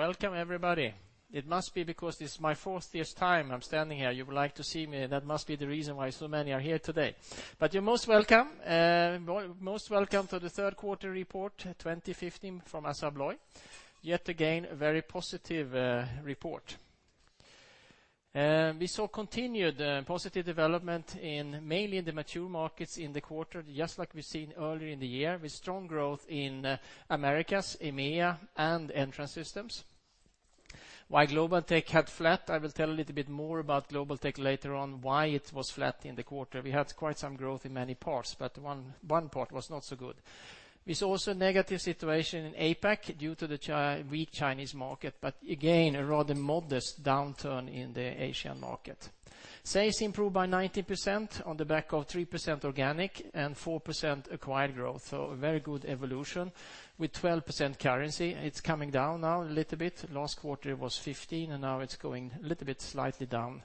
Welcome everybody. It must be because this is my fourth year's time I'm standing here, you would like to see me. That must be the reason why so many are here today. You're most welcome to the third quarter report 2015 from Assa Abloy. Yet again, a very positive report. We saw continued positive development mainly in the mature markets in the quarter, just like we've seen earlier in the year, with strong growth in Americas, EMEA, and Entrance Systems. While Global Tech had flat, I will tell a little bit more about Global Tech later on, why it was flat in the quarter. We had quite some growth in many parts, but one part was not so good. We saw a negative situation in APAC due to the weak Chinese market, but again, a rather modest downturn in the Asian market. Sales improved by 19% on the back of 3% organic and 4% acquired growth. A very good evolution with 12% currency. It's coming down now a little bit. Last quarter it was 15%, now it's going a little bit slightly down.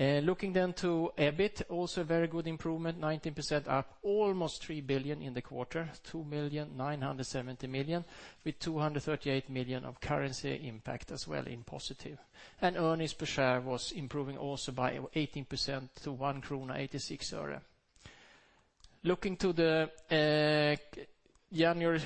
Looking to EBIT, also very good improvement, 19% up, almost 3 billion in the quarter, 2,970 million with 238 million of currency impact as well in positive. Earnings per share was improving also by 18% to 1.86 krona.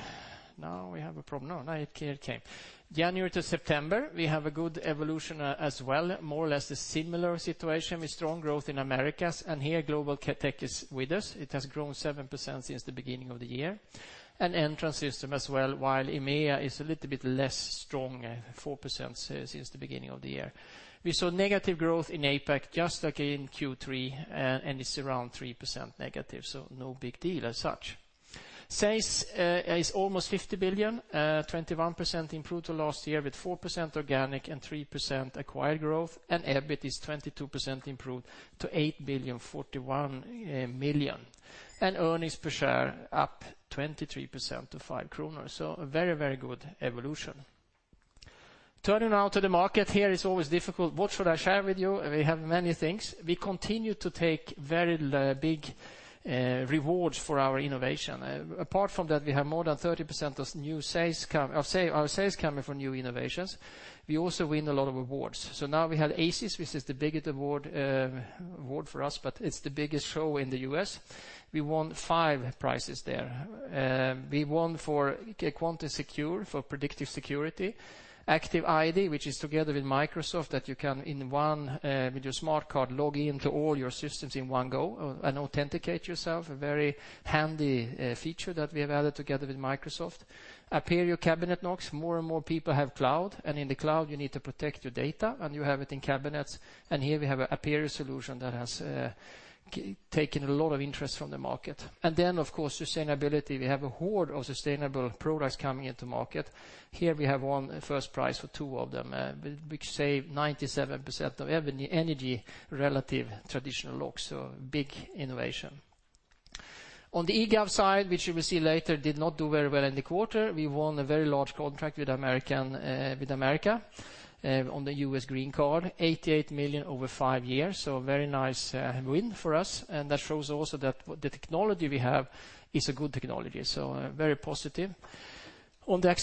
January to September, we have a good evolution as well, more or less a similar situation with strong growth in Americas and here Global Tech is with us. It has grown 7% since the beginning of the year. Entrance Systems as well, while EMEA is a little bit less strong at 4% since the beginning of the year. We saw negative growth in APAC just like in Q3, it's around 3% negative, so no big deal as such. Sales is almost 50 billion, 21% improved to last year with 4% organic and 3% acquired growth. EBIT is 22% improved to 8,041 million. Earnings per share up 23% to 5 kronor. A very, very good evolution. Turning now to the market, here is always difficult. What should I share with you? We have many things. We continue to take very big rewards for our innovation. Apart from that, we have more than 30% of our sales coming from new innovations. We also win a lot of awards. Now we have ASIS, which is the biggest award for us, but it's the biggest show in the U.S. We won five prizes there. We won for Quantum Secure for predictive security, ActivID, which is together with Microsoft, that you can with your smart card log in to all your systems in one go and authenticate yourself. A very handy feature that we have added together with Microsoft. Aperio Cabinet Locks. More and more people have cloud, and in the cloud you need to protect your data and you have it in cabinets. Here we have an Aperio solution that has taken a lot of interest from the market. Then, of course, sustainability. We have a hoard of sustainable products coming into market. Here we have won first prize for two of them, which save 97% of energy relative traditional locks, so big innovation. On the eGov side, which you will see later, did not do very well in the quarter. We won a very large contract with Americas on the U.S. Green Card, 88 million over five years. A very nice win for us and that shows also that the technology we have is a good technology. Very positive. On the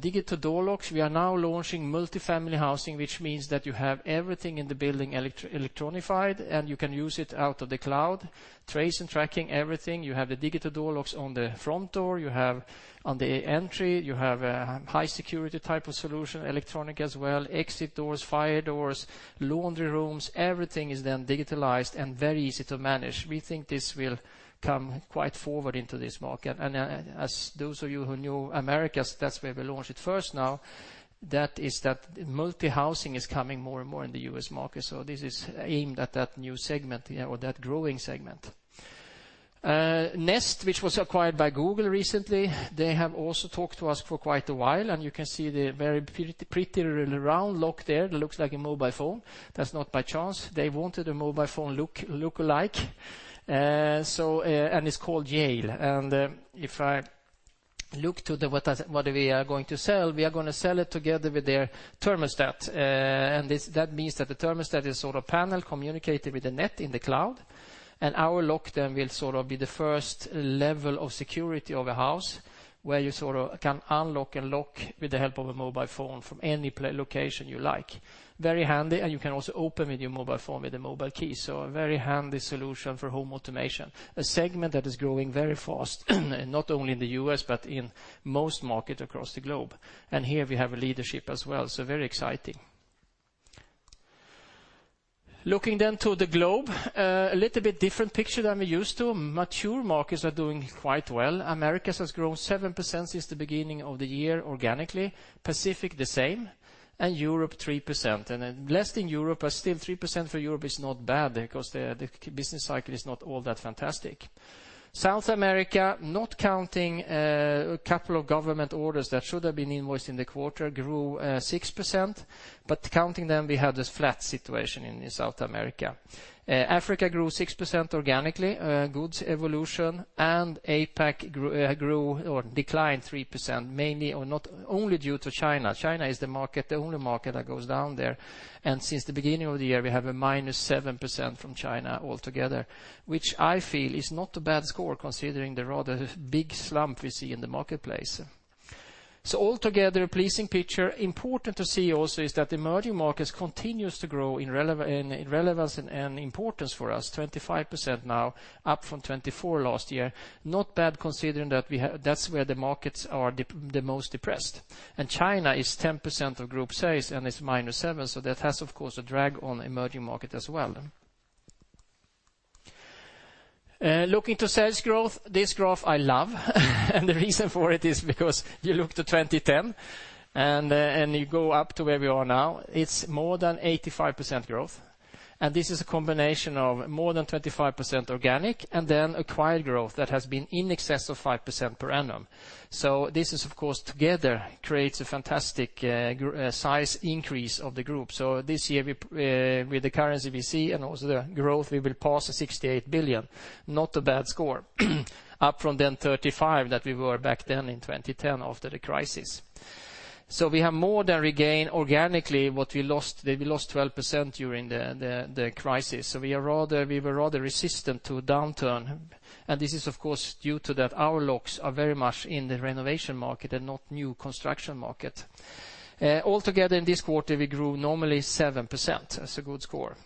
digital door locks, we are now launching multifamily housing, which means that you have everything in the building electronified, and you can use it out of the cloud, tracing and tracking everything. You have the digital door locks on the front door, you have on the entry, you have a high security type of solution, electronic as well, exit doors, fire doors, laundry rooms, everything is then digitalized and very easy to manage. We think this will come quite forward into this market. As those of you who know Americas, that's where we launch it first now. That is that multi-housing is coming more and more in the U.S. market. This is aimed at that new segment or that growing segment. Nest, which was acquired by Google recently, they have also talked to us for quite a while, and you can see the very pretty round lock there that looks like a mobile phone. That's not by chance. They wanted a mobile phone lookalike. It's called Yale. If I look to what we are going to sell, we are going to sell it together with their thermostat. That means that the thermostat is sort of panel communicated with the net in the cloud. Our lock then will sort of be the first level of security of a house, where you sort of can unlock and lock with the help of a mobile phone from any location you like. Very handy, and you can also open with your mobile phone with a mobile key. A very handy solution for home automation, a segment that is growing very fast, not only in the U.S., but in most markets across the globe. Here we have a leadership as well, very exciting. Looking then to the globe, a little bit different picture than we're used to. Mature markets are doing quite well. Americas has grown 7% since the beginning of the year organically, Pacific the same, and Europe 3%. Less than Europe, but still 3% for Europe is not bad because the business cycle is not all that fantastic. South America, not counting a couple of government orders that should have been invoiced in the quarter, grew 6%. Counting them, we have this flat situation in South America. Africa grew 6% organically, good evolution, and APAC declined 3%, mainly or not only due to China. China is the only market that goes down there. Since the beginning of the year, we have a -7% from China altogether, which I feel is not a bad score considering the rather big slump we see in the marketplace. Altogether, a pleasing picture. Important to see also is that emerging markets continues to grow in relevance and importance for us, 25% now, up from 24% last year. Not bad considering that's where the markets are the most depressed. China is 10% of group sales, it's -7. That has, of course, a drag on emerging market as well. Looking to sales growth, this graph I love. The reason for it is because you look to 2010, and you go up to where we are now, it's more than 85% growth. This is a combination of more than 25% organic and then acquired growth that has been in excess of 5% per annum. This, of course, together creates a fantastic size increase of the group. This year, with the currency we see and also the growth, we will pass 68 billion. Not a bad score. Up from then 35 billion that we were back then in 2010 after the crisis. We have more than regained organically what we lost. We lost 12% during the crisis. We were rather resistant to a downturn. This is, of course, due to that our locks are very much in the renovation market and not new construction market. Altogether, in this quarter, we grew normally 7%. That's a good score.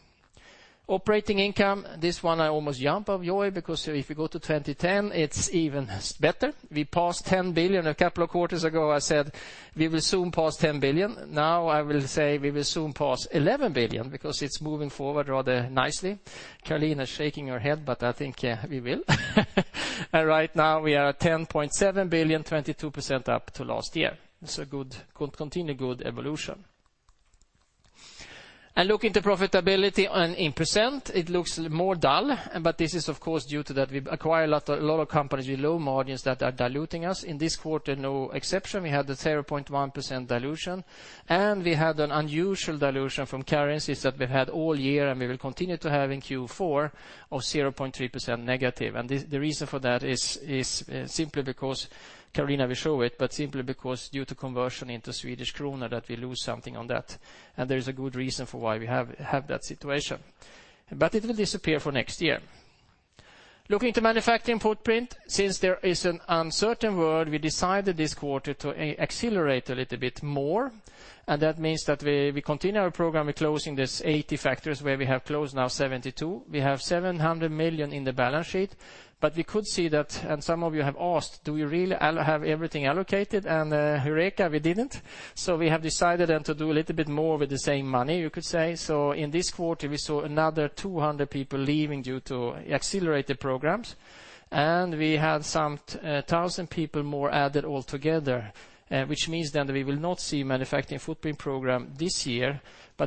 Operating income, this one I almost jump of joy, because if you go to 2010, it's even better. We passed 10 billion. A couple of quarters ago, I said we will soon pass 10 billion. Now I will say we will soon pass 11 billion because it's moving forward rather nicely. Carolina is shaking her head. I think we will. Right now we are 10.7 billion, 22% up to last year. It's a continued good evolution. Looking to profitability in percent, it looks more dull. This is, of course, due to that we acquire a lot of companies with low margins that are diluting us. In this quarter, no exception. We had the 0.1% dilution. We had an unusual dilution from currencies that we've had all year. We will continue to have in Q4 of 0.3% negative. The reason for that is simply because Carolina will show it, simply because due to conversion into Swedish krona, that we lose something on that. There is a good reason for why we have that situation. It will disappear for next year. Looking to manufacturing footprint, since there is an uncertain world, we decided this quarter to accelerate a little bit more. That means that we continue our program. We're closing these 80 factories where we have closed now 72. We have 700 million in the balance sheet. We could see that, and some of you have asked, do we really have everything allocated? Eureka, we didn't. We have decided then to do a little bit more with the same money, you could say. In this quarter, we saw another 200 people leaving due to accelerated programs. We had some 1,000 people more added altogether, which means then that we will not see manufacturing footprint program this year.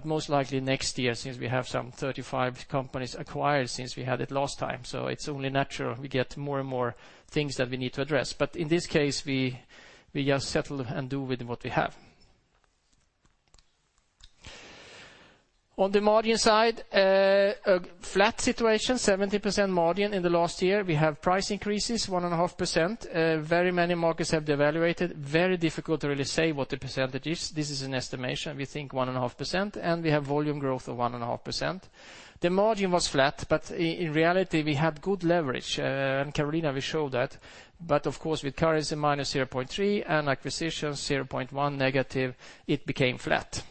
Most likely next year, since we have some 35 companies acquired since we had it last time. It's only natural we get more and more things that we need to address. In this case, we just settle and do with what we have. On the margin side, a flat situation, 70% margin in the last year. We have price increases, 1.5%. Very many markets have devaluated. Very difficult to really say what the percentage is. This is an estimation. We think 1.5%, and we have volume growth of 1.5%. The margin was flat, but in reality, we had good leverage. Carolina will show that. Of course, with currency minus 0.3 and acquisitions 0.1 negative, it became flat.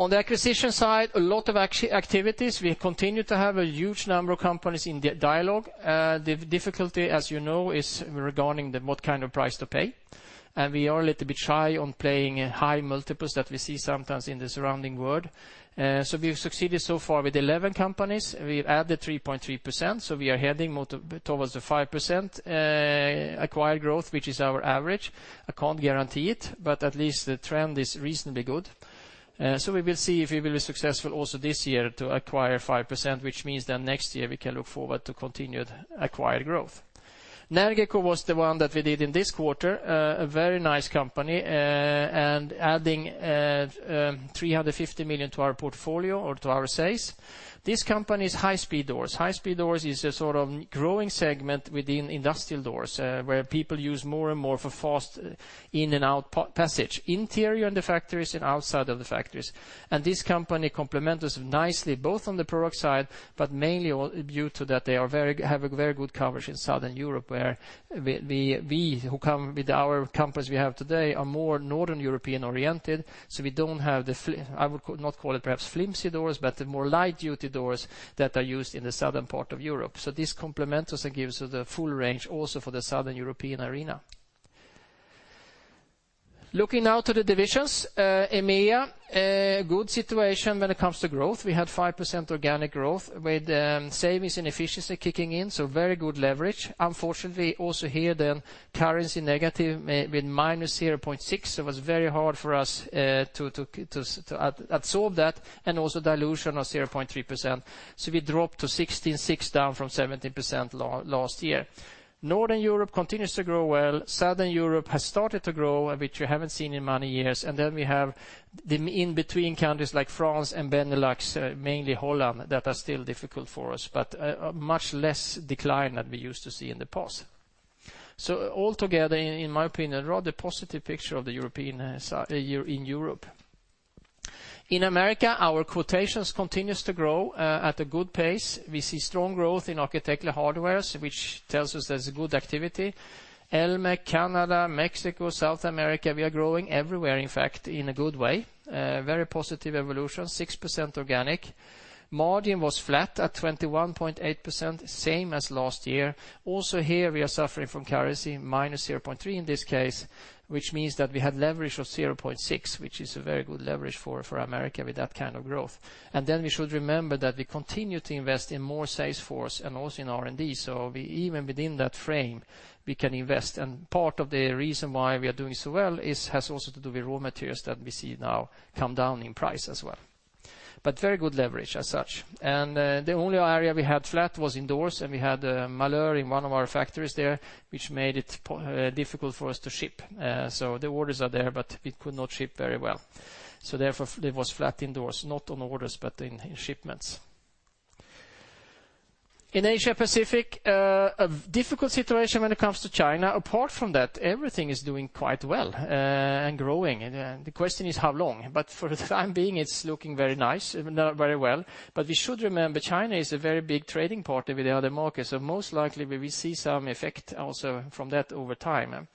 On the acquisition side, a lot of activities. We continue to have a huge number of companies in dialogue. The difficulty, as you know, is regarding what kind of price to pay. We are a little bit shy on paying high multiples that we see sometimes in the surrounding world. We've succeeded so far with 11 companies. We've added 3.3%, so we are heading towards the 5% acquired growth, which is our average. I can't guarantee it, but at least the trend is reasonably good. We will see if we will be successful also this year to acquire 5%, which means then next year we can look forward to continued acquired growth. Nergeco was the one that we did in this quarter. A very nice company, and adding 350 million to our portfolio or to our sales. This company is high-speed doors. High-speed doors is a sort of growing segment within industrial doors, where people use more and more for fast in and out passage, interior in the factories and outside of the factories. This company complement us nicely, both on the product side, but mainly due to that they have a very good coverage in Southern Europe where we, who come with our companies we have today, are more Northern European oriented, so we don't have the, I would not call it perhaps flimsy doors, but the more light-duty doors that are used in the southern part of Europe. This complement us and gives the full range also for the Southern European arena. Looking now to the divisions. EMEA, a good situation when it comes to growth. We had 5% organic growth with savings and efficiency kicking in, so very good leverage. Unfortunately, also here, currency negative with minus 0.6, so it was very hard for us to absorb that, and also dilution of 0.3%. We dropped to 16.6, down from 17% last year. Northern Europe continues to grow well. Southern Europe has started to grow, which we haven't seen in many years. We have in between countries like France and Benelux, mainly Holland, that are still difficult for us, but a much less decline than we used to see in the past. Altogether, in my opinion, rather positive picture in Europe. In Americas, our quotations continues to grow at a good pace. We see strong growth in architectural hardware, which tells us there's good activity. EMTEK, Canada, Mexico, South America, we are growing everywhere, in fact, in a good way. Very positive evolution, 6% organic. Margin was flat at 21.8%, same as last year. Also here, we are suffering from currency, minus 0.3 in this case, which means that we had leverage of 0.6, which is a very good leverage for Americas with that kind of growth. We should remember that we continue to invest in more sales force and also in R&D. Even within that frame, we can invest. Part of the reason why we are doing so well has also to do with raw materials that we see now come down in price as well. Very good leverage as such. The only area we had flat was indoors, and we had a malware in one of our factories there, which made it difficult for us to ship. The orders are there, but we could not ship very well. Therefore, it was flat indoors, not on orders, but in shipments. In Asia Pacific, a difficult situation when it comes to China. Apart from that, everything is doing quite well and growing. The question is how long? For the time being, it's looking very nice, very well. We should remember China is a very big trading partner with the other markets, most likely, we will see some effect also from that over time.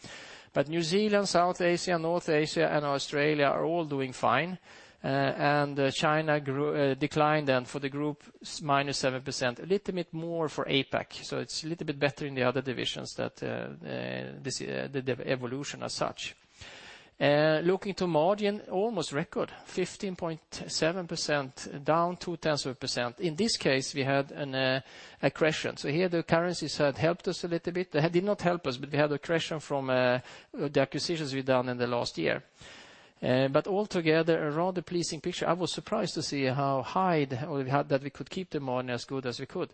New Zealand, South Asia, North Asia, and Australia are all doing fine. China declined, and for the group, minus 7%. A little bit more for APAC, it's a little bit better in the other divisions, the evolution as such. Looking to margin, almost record, 15.7%, down two tenths of a percent. In this case, we had an accretion. Here the currencies had helped us a little bit. They did not help us, but we had accretion from the acquisitions we've done in the last year. Altogether, a rather pleasing picture. I was surprised to see how high or that we could keep the margin as good as we could.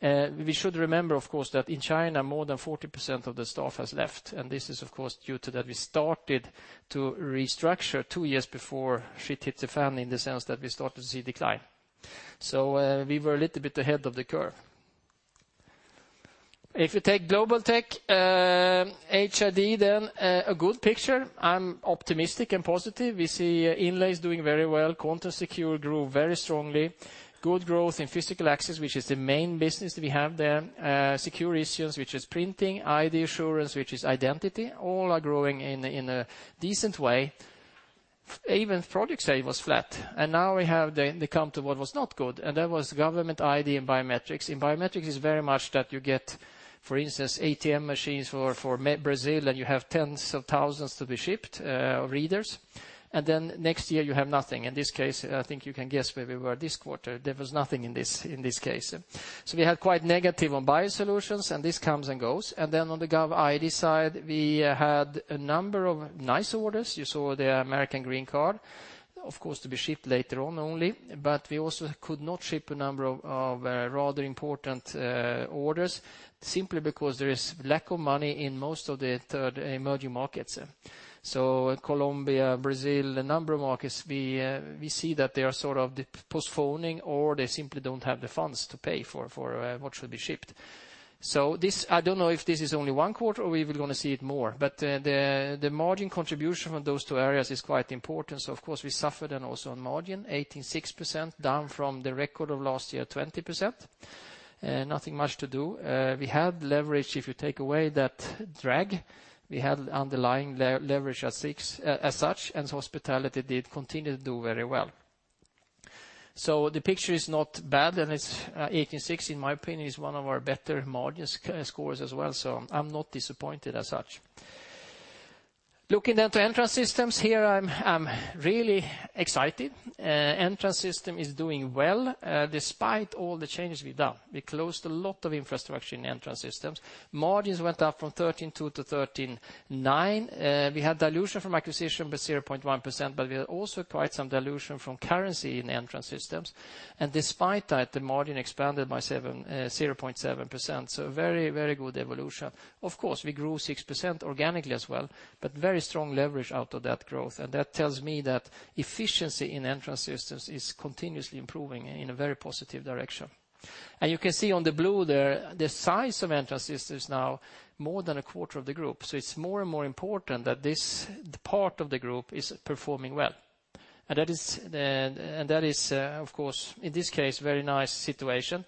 We should remember, of course, that in China, more than 40% of the staff has left, and this is, of course, due to that we started to restructure two years before shit hits the fan in the sense that we started to see decline. We were a little bit ahead of the curve. If you take Global Tech, HID then, a good picture. I'm optimistic and positive. We see Inlays doing very well. Quantum Secure grew very strongly. Good growth in physical access, which is the main business that we have there. Secure Issuance, which is printing, ID Assurance, which is identity, all are growing in a decent way. Even Project Sales was flat. Now we have the counter what was not good, and that was government ID and biometrics. Biometrics is very much that you get, for instance, ATM machines for Brazil, and you have tens of thousands to be shipped, readers. Next year you have nothing. In this case, I think you can guess where we were this quarter. There was nothing in this case. We had quite negative on biosolutions, and this comes and goes. On the gov ID side, we had a number of nice orders. You saw the U.S. Green Card. To be shipped later on only. We also could not ship a number of rather important orders simply because there is lack of money in most of the third emerging markets. Colombia, Brazil, a number of markets, we see that they are sort of postponing, or they simply don't have the funds to pay for what should be shipped. I don't know if this is only one quarter or we will going to see it more, but the margin contribution from those two areas is quite important. Of course, we suffered and also on margin, 18.6% down from the record of last year, 20%. Nothing much to do. We had leverage, if you take away that drag, we had underlying leverage at six as such, and hospitality did continue to do very well. The picture is not bad, and it's 18.6 in my opinion, is one of our better margin scores as well. I'm not disappointed as such. Looking then to Entrance Systems here, I'm really excited. Entrance Systems is doing well despite all the changes we've done. We closed a lot of infrastructure in Entrance Systems. Margins went up from 13.2 to 13.9. We had dilution from acquisition by 0.1%, but we had also quite some dilution from currency in Entrance Systems. Despite that, the margin expanded by 0.7%. Very good evolution. Of course, we grew 6% organically as well, but very strong leverage out of that growth. That tells me that efficiency in Entrance Systems is continuously improving in a very positive direction. You can see on the blue there, the size of Entrance Systems now, more than a quarter of the group. It's more and more important that this part of the group is performing well. That is, of course, in this case, very nice situation.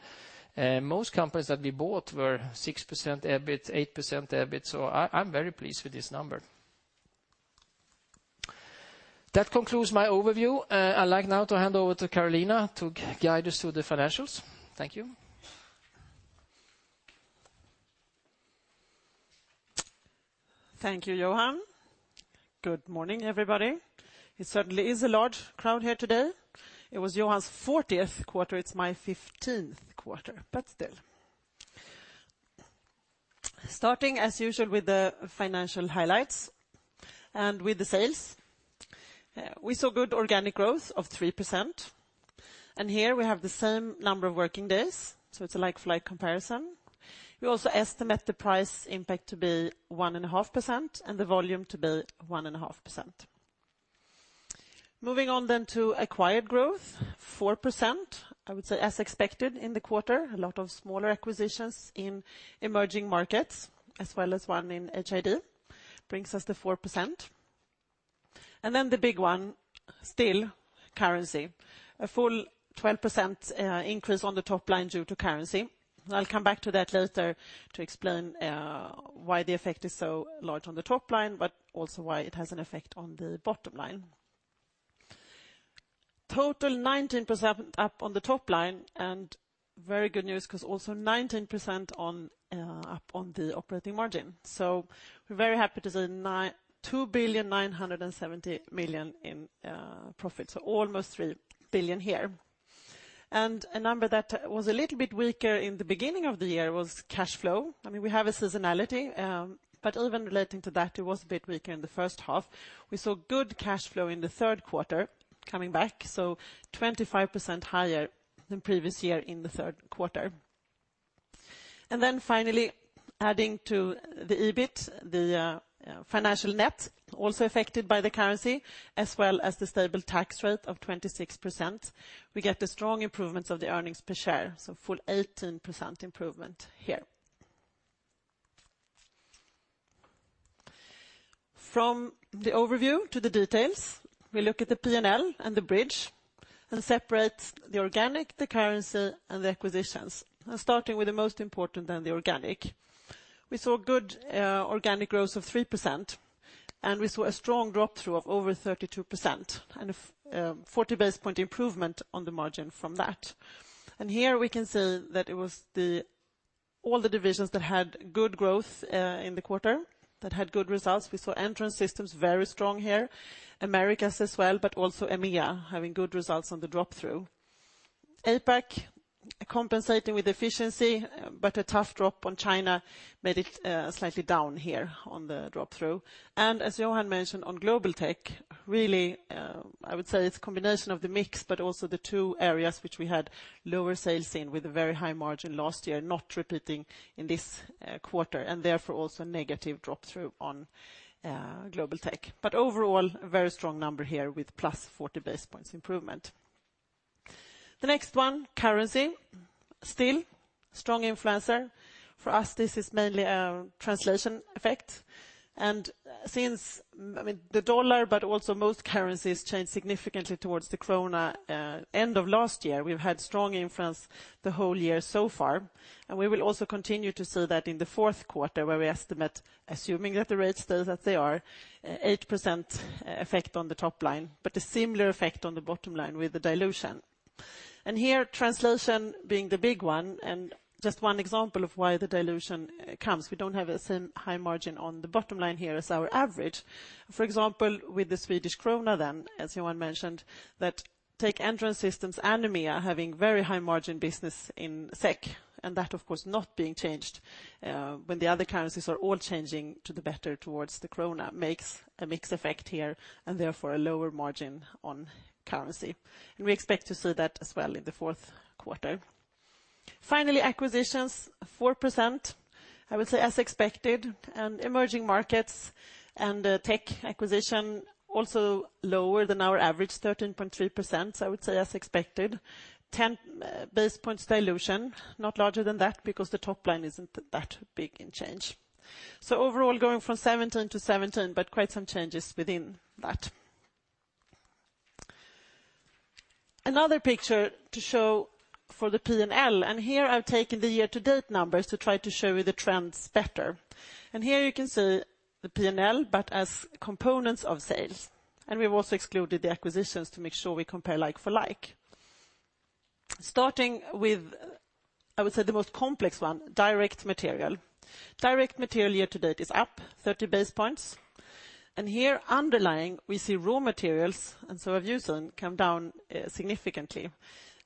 Most companies that we bought were 6% EBIT, 8% EBIT, so I'm very pleased with this number. That concludes my overview. I'd like now to hand over to Carolina to guide us through the financials. Thank you. Thank you, Johan. Good morning, everybody. It certainly is a large crowd here today. It was Johan's 40th quarter. It's my 15th quarter, but still. Starting as usual with the financial highlights and with the sales. We saw good organic growth of 3%, and here we have the same number of working days, so it's a like-for-like comparison. We also estimate the price impact to be 1.5% and the volume to be 1.5%. Moving on then to acquired growth 4%, I would say as expected in the quarter. A lot of smaller acquisitions in emerging markets, as well as one in HID, brings us to 4%. The big one, still currency. A full 12% increase on the top line due to currency. I'll come back to that later to explain why the effect is so large on the top line, but also why it has an effect on the bottom line. Total 19% up on the top line, and very good news because also 19% up on the operating margin. We're very happy to say 2,970,000,000 in profit, so almost 3 billion here. A number that was a little bit weaker in the beginning of the year was cash flow. We have a seasonality, but even relating to that, it was a bit weaker in the first half. We saw good cash flow in the third quarter coming back, so 25% higher than previous year in the third quarter. Finally, adding to the EBIT, the financial net also affected by the currency, as well as the stable tax rate of 26%. We get the strong improvements of the earnings per share, full 18% improvement here. From the overview to the details, we look at the P&L and the bridge and separate the organic, the currency, and the acquisitions. Starting with the most important, then the organic. We saw good organic growth of 3%, we saw a strong drop-through of over 32% and a 40 basis point improvement on the margin from that. Here we can say that it was all the divisions that had good growth in the quarter, that had good results. We saw Entrance Systems very strong here. Americas as well, but also EMEA having good results on the drop-through. APAC compensating with efficiency, but a tough drop on China made it slightly down here on the drop-through. As Johan mentioned on Global Tech, really, I would say it's a combination of the mix, but also the two areas which we had lower sales in with a very high margin last year, not repeating in this quarter, and therefore also a negative drop-through on Global Tech. Overall, a very strong number here with +40 basis points improvement. The next one, currency. Still strong influencer. For us, this is mainly a translation effect. Since the dollar, but also most currencies changed significantly towards the krona end of last year, we've had strong influence the whole year so far, and we will also continue to see that in the fourth quarter where we estimate, assuming that the rates stay as they are, 8% effect on the top line, but a similar effect on the bottom line with the dilution. Here, translation being the big one, and just one example of why the dilution comes. We don't have as high margin on the bottom line here as our average. For example, with the Swedish krona then, as Johan mentioned, that take Entrance Systems and EMEA having very high margin business in SEK, and that, of course, not being changed when the other currencies are all changing to the better towards the krona makes a mix effect here, and therefore a lower margin on currency. We expect to see that as well in the fourth quarter. Finally, acquisitions, 4%, I would say as expected, and emerging markets and tech acquisition also lower than our average 13.3%, so I would say as expected. 10 basis points dilution, not larger than that because the top line isn't that big in change. Overall going from 17 to 17, but quite some changes within that. Another picture to show for the P&L, here I've taken the year-to-date numbers to try to show you the trends better. Here you can see the P&L, but as components of sales. We've also excluded the acquisitions to make sure we compare like for like. Starting with, I would say, the most complex one, direct material. Direct material year-to-date is up 30 basis points. Here underlying, we see raw materials, and so have you seen, come down significantly.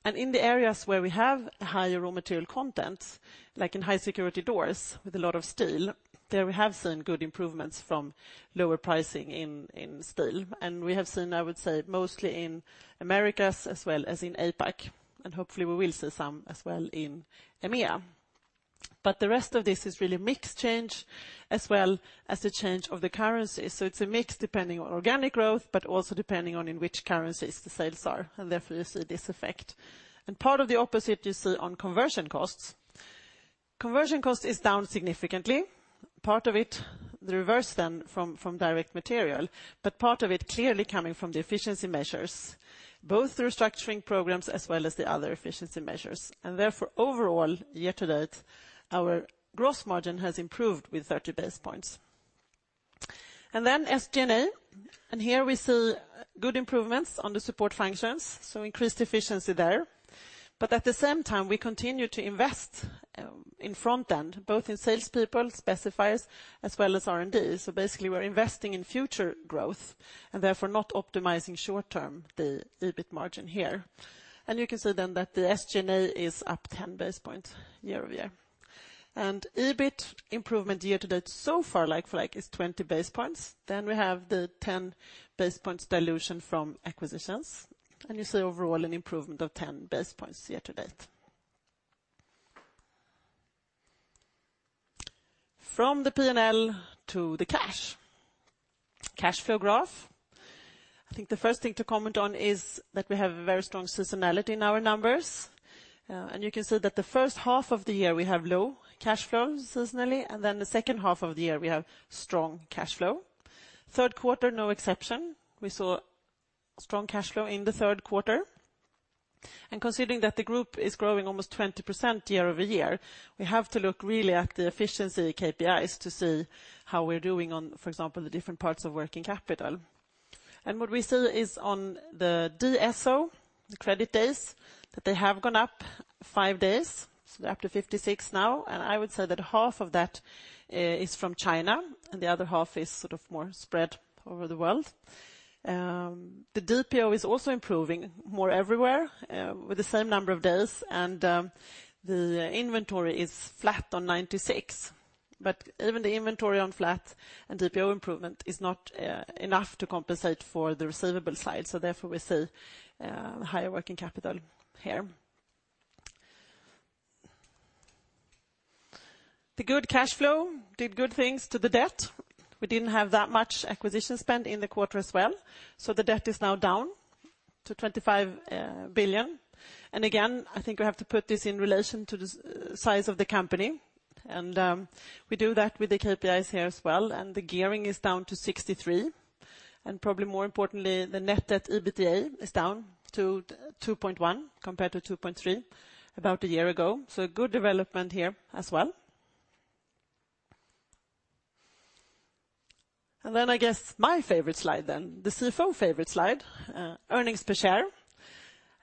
In the areas where we have higher raw material content, like in high security doors with a lot of steel, there we have seen good improvements from lower pricing in steel. We have seen, I would say, mostly in Americas as well as in APAC, hopefully we will see some as well in EMEA. The rest of this is really mix change as well as the change of the currency. It's a mix depending on organic growth, also depending on in which currencies the sales are, therefore you see this effect. Part of the opposite you see on conversion costs. Conversion cost is down significantly. Part of it, the reverse from direct material, part of it clearly coming from the efficiency measures, both the restructuring programs as well as the other efficiency measures. Overall, year-to-date, our gross margin has improved with 30 basis points. SG&A, here we see good improvements on the support functions, increased efficiency there. At the same time, we continue to invest in front-end, both in salespeople, specifiers, as well as R&D. Basically, we're investing in future growth therefore not optimizing short-term the EBIT margin here. You can see that the SG&A is up 10 basis points year-over-year. EBIT improvement year-to-date so far like-for-like is 20 basis points. We have the 10 basis points dilution from acquisitions. You see overall an improvement of 10 basis points year-to-date. From the P&L to the cash flow graph. I think the first thing to comment on is that we have a very strong seasonality in our numbers. You can see that the first half of the year we have low cash flow seasonally, the second half of the year we have strong cash flow. Q3, no exception. We saw strong cash flow in the Q3. Considering that the group is growing almost 20% year-over-year, we have to look really at the efficiency KPIs to see how we're doing on, for example, the different parts of working capital. What we see is on the DSO, the credit days, that they have gone up 5 days. They're up to 56 now, I would say that half of that is from China the other half is more spread over the world. The DPO is also improving more everywhere, with the same number of days, the inventory is flat on 96. Even the inventory on flat and DPO improvement is not enough to compensate for the receivable side. Therefore we see higher working capital here. The good cash flow did good things to the debt. We didn't have that much acquisition spend in the quarter as well, the debt is now down to 25 billion. Again, I think we have to put this in relation to the size of the company. We do that with the KPIs here as well, the gearing is down to 63. Probably more importantly, the net debt EBITDA is down to 2.1 compared to 2.3 about a year ago. A good development here as well. I guess my favorite slide, the CFO favorite slide, earnings per share.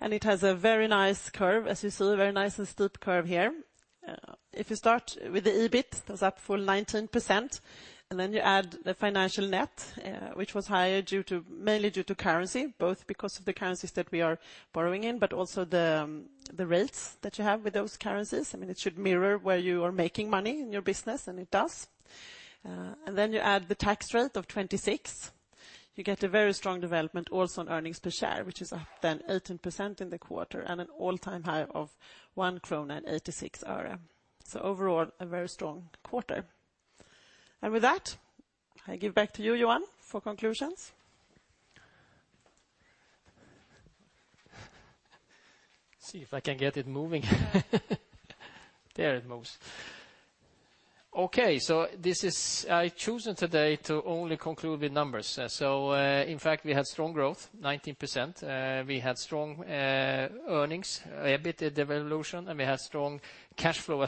It has a very nice curve as you see, a very nice steep curve here. Start with the EBIT, that's up full 19%. You add the financial net, which was higher mainly due to currency, both because of the currencies that we are borrowing in, but also the rates that you have with those currencies. It should mirror where you are making money in your business, and it does. You add the tax rate of 26%, you get a very strong development also on earnings per share, which is up then 18% in the quarter and an all-time high of 1 krona and 86 öre. Overall, a very strong quarter. With that, I give back to you, Johan, for conclusions. See if I can get it moving. There it moves. I've chosen today to only conclude with numbers. In fact, we had strong growth, 19%. We had strong earnings, EBITA evolution, and we had strong cash flow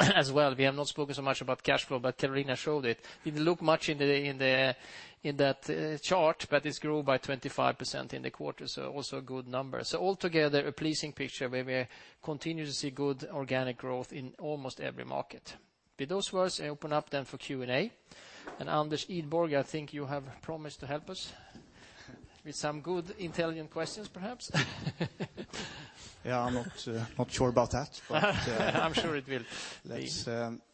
as well. We have not spoken so much about cash flow, but Carolina showed it. It didn't look much in that chart, but it grew by 25% in the quarter, also a good number. Altogether, a pleasing picture where we continue to see good organic growth in almost every market. With those words, I open up then for Q&A, and Anders Idborg, I think you have promised to help us with some good, intelligent questions perhaps. I'm not sure about that. I'm sure it will be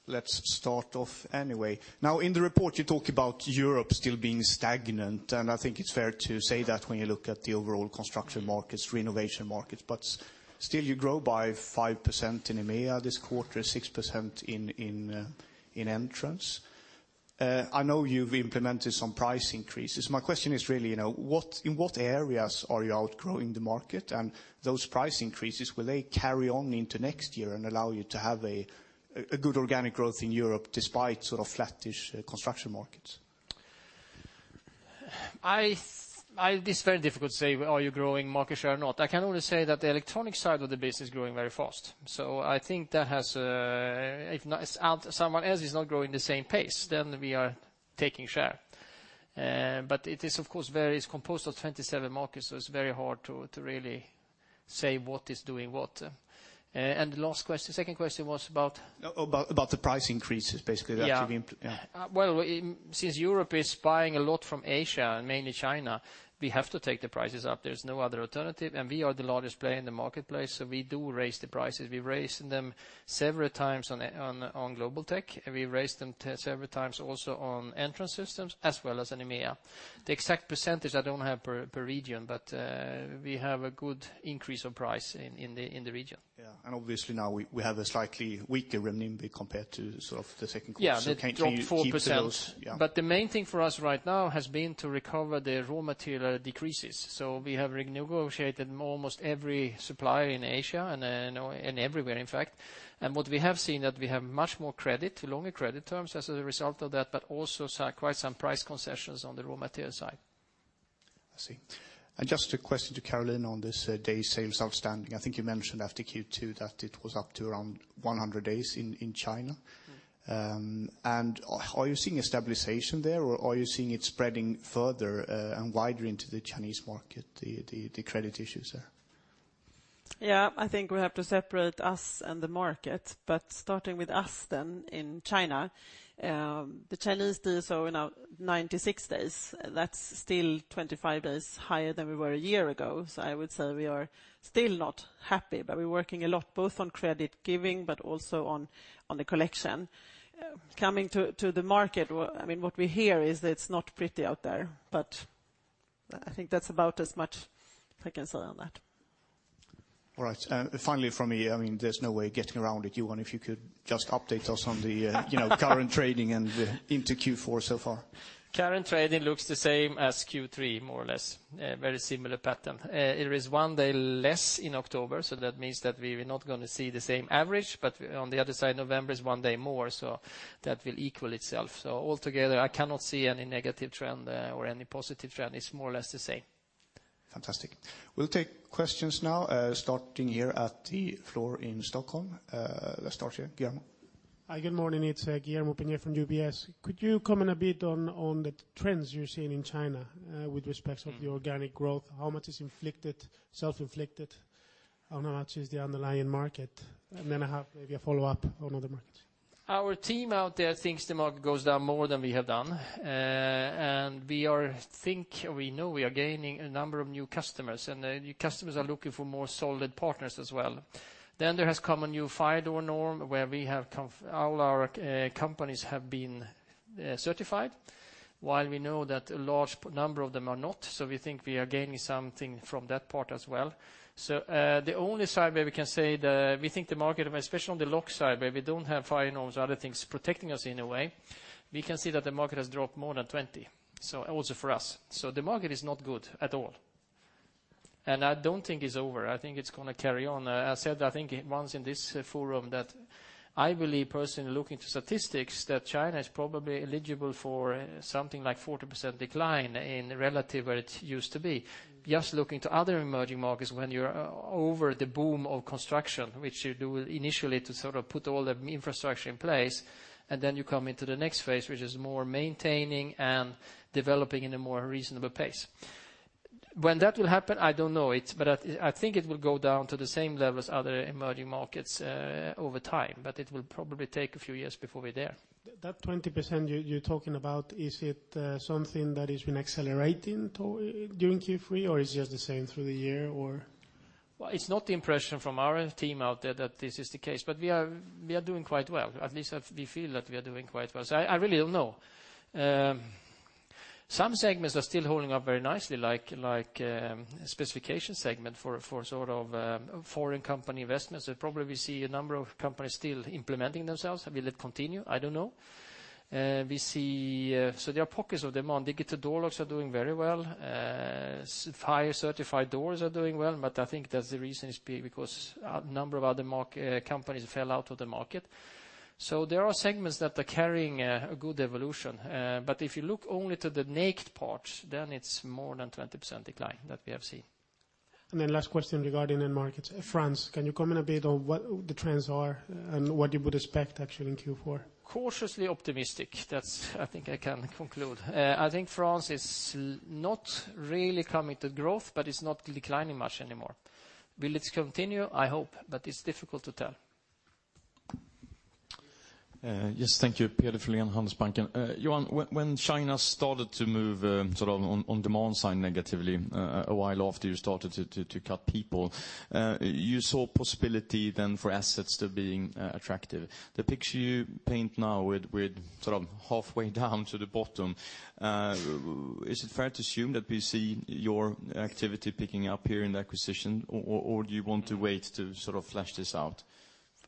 Let's start off anyway. In the report, you talk about Europe still being stagnant, and I think it's fair to say that when you look at the overall construction markets, renovation markets. Still you grow by 5% in EMEA this quarter, 6% in Entrance Systems. I know you've implemented some price increases. My question is really, in what areas are you outgrowing the market? Those price increases, will they carry on into next year and allow you to have a good organic growth in Europe despite flattish construction markets? It is very difficult to say, are you growing market share or not? I can only say that the electronic side of the business is growing very fast. I think that someone else is not growing the same pace, then we are taking share. It is of course composed of 27 markets, so it's very hard to really say what is doing what. The second question was about? About the price increases, basically that you implemented. Yeah. Yeah. Well, since Europe is buying a lot from Asia, and mainly China, we have to take the prices up. There's no other alternative, and we are the largest player in the marketplace, so we do raise the prices. We raised them several times on Global Technologies. We raised them several times also on Entrance Systems as well as in EMEA. The exact percentage I don't have per region, but we have a good increase of price in the region. Obviously now we have a slightly weaker renminbi compared to the second quarter. It dropped 4%. Can you keep those? Yeah. The main thing for us right now has been to recover the raw material decreases. We have renegotiated almost every supplier in Asia, and everywhere in fact. What we have seen that we have much more credit, longer credit terms as a result of that, but also quite some price concessions on the raw material side. I see. Just a question to Carolina on this day sales outstanding. I think you mentioned after Q2 that it was up to around 100 days in China. Are you seeing a stabilization there, or are you seeing it spreading further and wider into the Chinese market, the credit issues there? Yeah. I think we have to separate us and the market. Starting with us then in China. The Chinese DSO are now 96 days. That's still 25 days higher than we were a year ago. I would say we are still not happy, but we're working a lot both on credit giving, but also on the collection. Coming to the market, what we hear is that it's not pretty out there. I think that's about as much I can say on that. All right. Finally from me, there's no way getting around it, Johan, if you could just update us on current trading and into Q4 so far. Current trading looks the same as Q3, more or less. A very similar pattern. It is one day less in October, so that means that we're not going to see the same average. On the other side, November is one day more, so that will equal itself. Altogether, I cannot see any negative trend or any positive trend. It's more or less the same. Fantastic. We'll take questions now, starting here at the floor in Stockholm. Let's start here, Guillermo. Hi, good morning. It's Guillermo Peigneux-Lojo from UBS. Could you comment a bit on the trends you're seeing in China, with respect of the organic growth? Then I have maybe a follow-up on other markets. Our team out there thinks the market goes down more than we have done. We know we are gaining a number of new customers, and the new customers are looking for more solid partners as well. There has come a new fire door norm where all our companies have been certified, while we know that a large number of them are not. We think we are gaining something from that part as well. The only side where we can say that we think the market, especially on the lock side, where we don't have fire norms or other things protecting us in a way, we can see that the market has dropped more than 20%, also for us. The market is not good at all. I don't think it's over. I think it's going to carry on. I said, I think once in this forum that I believe personally looking to statistics, that China is probably eligible for something like 40% decline in relative where it used to be. Just looking to other emerging markets, when you're over the boom of construction, which you do initially to put all the infrastructure in place, and then you come into the next phase, which is more maintaining and developing in a more reasonable pace. When that will happen, I don't know. I think it will go down to the same level as other emerging markets over time, but it will probably take a few years before we're there. That 20% you're talking about, is it something that has been accelerating during Q3, or is it just the same through the year, or? Well, it's not the impression from our team out there that this is the case, but we are doing quite well. At least we feel that we are doing quite well, so I really don't know. Some segments are still holding up very nicely, like specification segment for foreign company investments. Probably we see a number of companies still implementing themselves. Will it continue? I don't know. There are pockets of demand. Digital door locks are doing very well. Fire certified doors are doing well, but I think that the reason is because a number of other companies fell out of the market. There are segments that are carrying a good evolution. If you look only to the naked parts, then it's more than 20% decline that we have seen. Last question regarding end markets. France, can you comment a bit on what the trends are and what you would expect actually in Q4? Cautiously optimistic. That's I think I can conclude. I think France is not really coming to growth, but it's not declining much anymore. Will it continue? I hope, but it's difficult to tell. Yes. Thank you. Peder from Handelsbanken. Johan, when China started to move on demand side negatively, a while after you started to cut people, you saw possibility then for assets to being attractive. The picture you paint now with halfway down to the bottom, is it fair to assume that we see your activity picking up here in the acquisition, or do you want to wait to flush this out?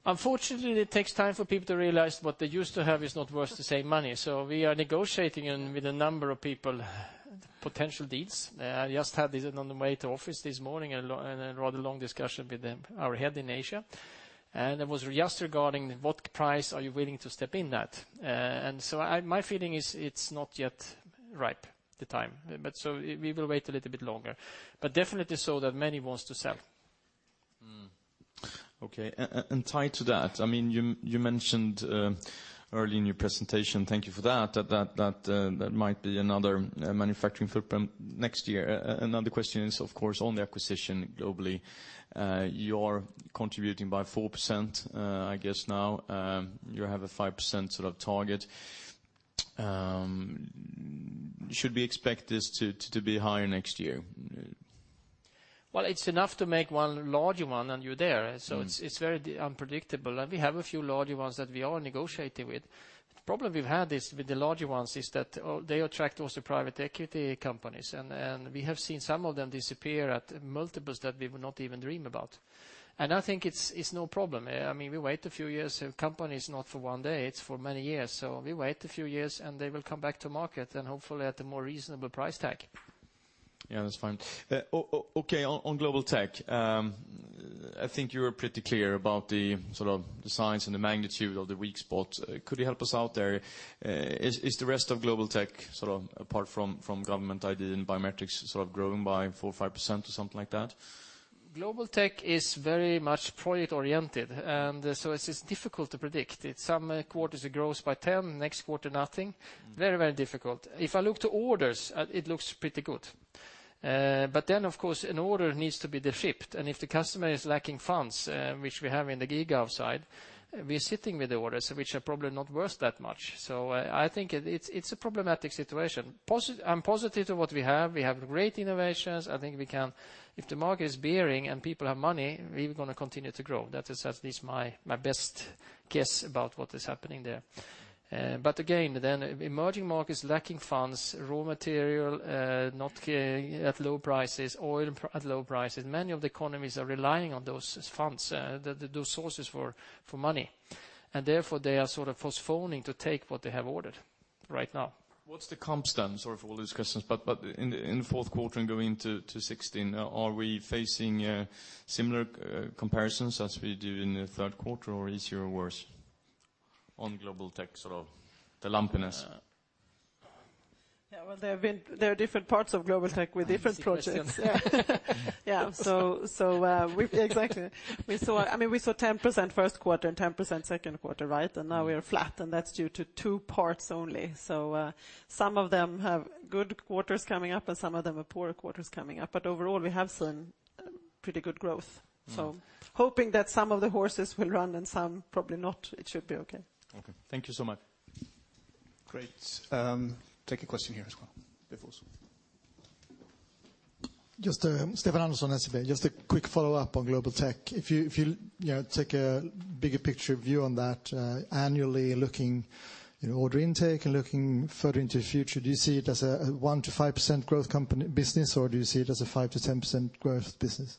Unfortunately, it takes time for people to realize what they used to have is not worth the same money. We are negotiating in with a number of people, potential deals. I just had this on the way to office this morning, a rather long discussion with our head in Asia. It was just regarding what price are you willing to step in at. My feeling is it's not yet ripe, the time. We will wait a little bit longer. Definitely so that many wants to sell. Okay. Tied to that, you mentioned early in your presentation, thank you for that there might be another manufacturing footprint next year. Another question is, of course, on the acquisition globally. You are contributing by 4%, I guess now. You have a 5% target. Should we expect this to be higher next year? Well, it's enough to make one larger one, and you're there. It's very unpredictable, and we have a few larger ones that we are negotiating with. The problem we've had is with the larger ones is that they attract also private equity companies, and we have seen some of them disappear at multiples that we would not even dream about. I think it's no problem. We wait a few years. A company is not for one day, it's for many years. We wait a few years, and they will come back to market and hopefully at a more reasonable price tag. Yeah, that's fine. Okay, on Global Tech. I think you were pretty clear about the signs and the magnitude of the weak spot. Could you help us out there? Is the rest of Global Tech, apart from government ID and biometrics growing by 4% or 5% or something like that? Global Tech is very much project-oriented, it is difficult to predict. Some quarters it grows by 10, next quarter nothing. Very difficult. If I look to orders, it looks pretty good. Of course, an order needs to be shipped, and if the customer is lacking funds, which we have in the eGov side, we're sitting with the orders, which are probably not worth that much. I think it's a problematic situation. I'm positive to what we have. We have great innovations. I think if the market is bearing and people have money, we're going to continue to grow. That is at least my best guess about what is happening there. Emerging markets lacking funds, raw material not at low prices, oil at low prices. Many of the economies are relying on those funds, those sources for money. Therefore, they are postponing to take what they have ordered right now. What's the comp stand? Sorry for all these questions, in the fourth quarter and going into 2016, are we facing similar comparisons as we do in the third quarter, or easier or worse on Global Technologies, the lumpiness? Yeah. Well, there are different parts of Global Technologies with different projects. Yeah. Exactly. We saw 10% first quarter and 10% second quarter, right? Now we are flat, and that's due to two parts only. Some of them have good quarters coming up, and some of them have poor quarters coming up. Overall, we have seen pretty good growth. Hoping that some of the horses will run and some probably not, it should be okay. Okay. Thank you so much. Great. Take a question here as well, before. Stefan Andersson, SEB. Just a quick follow-up on Global Technologies. If you take a bigger picture view on that annually looking order intake and looking further into the future, do you see it as a 1%-5% growth business, or do you see it as a 5%-10% growth business?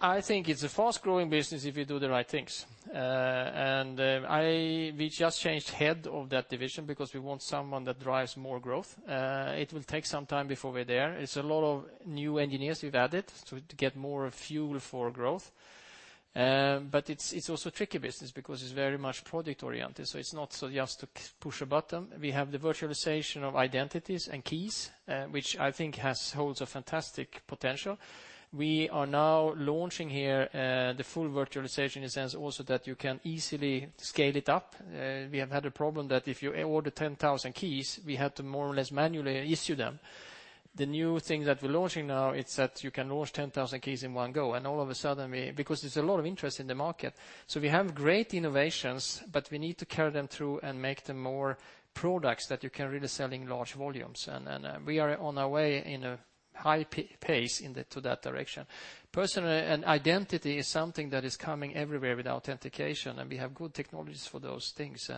I think it's a fast-growing business if you do the right things. We just changed head of that division because we want someone that drives more growth. It will take some time before we're there. It's a lot of new engineers we've added to get more fuel for growth. It's also a tricky business because it's very much product-oriented, so it's not so just to push a button. We have the virtualization of identities and keys, which I think holds a fantastic potential. We are now launching here the full virtualization in a sense also that you can easily scale it up. We have had a problem that if you order 10,000 keys, we had to more or less manually issue them. The new thing that we're launching now, it's that you can launch 10,000 keys in one go, and all of a sudden, because there's a lot of interest in the market. We have great innovations, but we need to carry them through and make them more products that you can really sell in large volumes. We are on our way in a high pace to that direction. Personally, an identity is something that is coming everywhere with authentication, and we have good technologies for those things.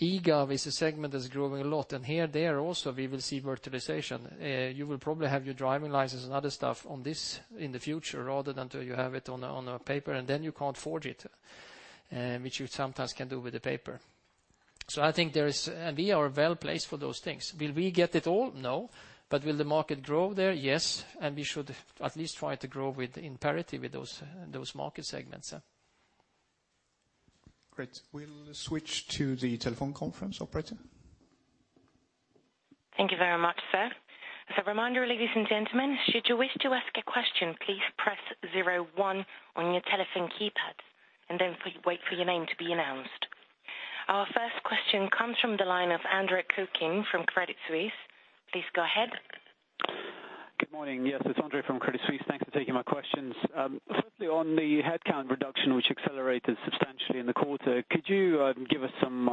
eGov is a segment that's growing a lot. Here, there also, we will see virtualization. You will probably have your driving license and other stuff on this in the future, rather than to you have it on a paper. Then you can't forge it, which you sometimes can do with a paper. I think we are well-placed for those things. Will we get it all? No. Will the market grow there? Yes. We should at least try to grow in parity with those market segments. Great. We'll switch to the telephone conference operator. Thank you very much, sir. As a reminder, ladies and gentlemen, should you wish to ask a question, please press 01 on your telephone keypad, and then wait for your name to be announced. Our first question comes from the line of Andre Kukhnin from Crédit Suisse. Please go ahead. Good morning. Yes, it's Andre from Crédit Suisse. Thanks for taking my questions. Firstly, on the headcount reduction, which accelerated substantially in the quarter, could you give us some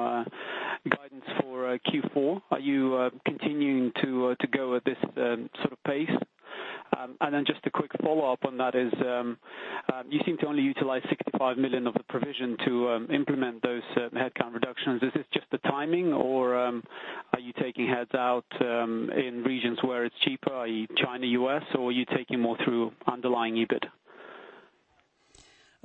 guidance for Q4? Are you continuing to go at this sort of pace? Just a quick follow-up on that is, you seem to only utilize 65 million of the provision to implement those headcount reductions. Is this just the timing, or are you taking heads out in regions where it's cheaper, i.e. China, U.S., or are you taking more through underlying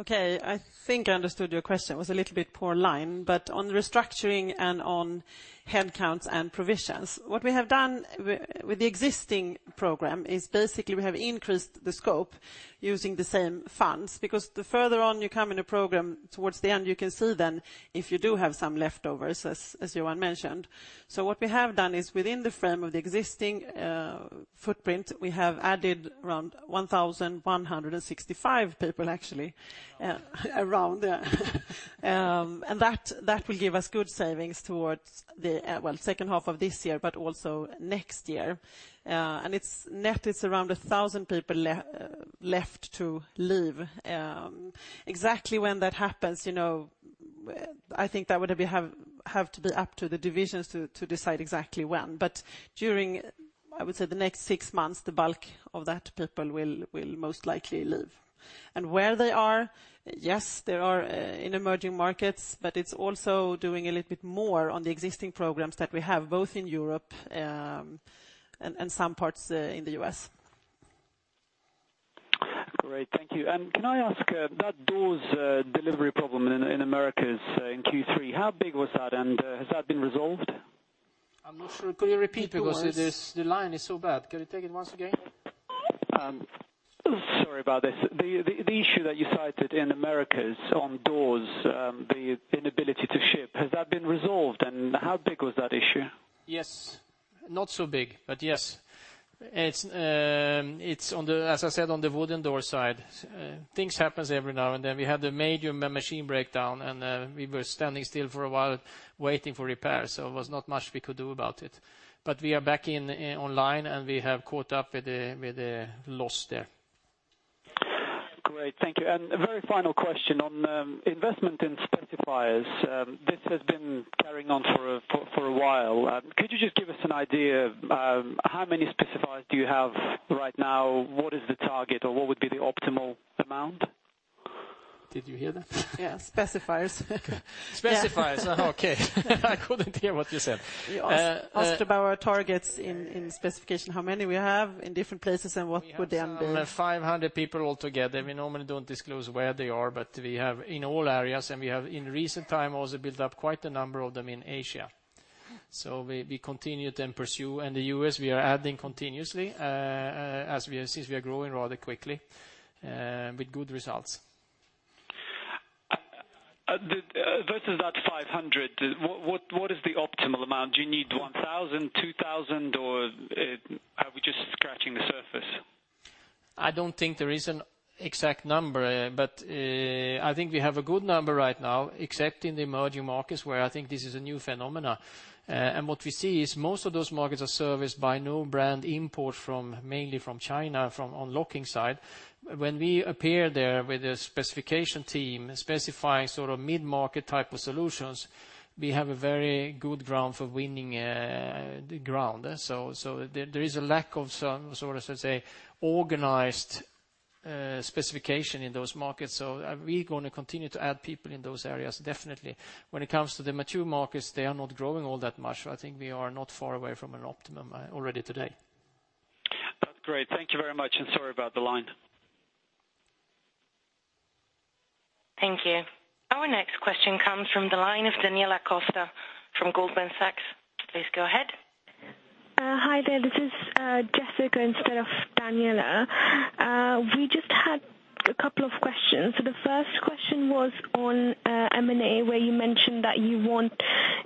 EBIT? I think I understood your question. It was a little bit poor line. On restructuring and on headcounts and provisions, what we have done with the existing program is basically we have increased the scope using the same funds, because the further on you come in a program towards the end, you can see then if you do have some leftovers, as Johan mentioned. What we have done is within the frame of the existing footprint, we have added around 1,165 people, actually. Around, yeah. That will give us good savings towards the, well, second half of this year, but also next year. Net, it's around 1,000 people left to leave. Exactly when that happens, I think that would have to be up to the divisions to decide exactly when. During, I would say, the next six months, the bulk of that people will most likely leave. Where they are, yes, they are in emerging markets, but it's also doing a little bit more on the existing programs that we have, both in Europe and some parts in the U.S. Great. Thank you. Can I ask, that doors delivery problem in Americas in Q3, how big was that, and has that been resolved? I'm not sure. Could you repeat, because the line is so bad. Can you take it once again? Sorry about this. The issue that you cited in Americas on doors, the inability to ship, has that been resolved, and how big was that issue? Yes. Not so big, but yes. It's, as I said, on the wooden door side. Things happens every now and then. We had a major machine breakdown, and we were standing still for a while waiting for repairs, so it was not much we could do about it. We are back online, and we have caught up with the loss there. Great. Thank you. Very final question on investment in specifiers. This has been carrying on for a while. Could you just give us an idea of how many specifiers do you have right now? What is the target, or what would be the optimal amount? Did you hear that? Yeah. Specifiers. Specifiers. Okay. I couldn't hear what you said. He asked about our targets in specification, how many we have in different places. We have 500 people altogether. We normally don't disclose where they are, but we have in all areas, and we have in recent time also built up quite a number of them in Asia. We continue to pursue in the U.S., we are adding continuously since we are growing rather quickly with good results. Versus that 500, what is the optimal amount? Do you need 1,000, 2,000, or are we just scratching the surface? I don't think there is an exact number, but I think we have a good number right now, except in the emerging markets where I think this is a new phenomena. What we see is most of those markets are serviced by no-brand import mainly from China, from on locking side. When we appear there with a specification team specifying mid-market type of solutions, we have a very good ground for winning the ground there. There is a lack of, so to say, organized specification in those markets. Are we going to continue to add people in those areas? Definitely. When it comes to the mature markets, they are not growing all that much. I think we are not far away from an optimum already today. That's great. Thank you very much. Sorry about the line. Thank you. Our next question comes from the line of Daniela Costa from Goldman Sachs. Please go ahead. Hi there. This is Jessica instead of Daniela. We just had a couple of questions. The first question was on M&A, where you mentioned that you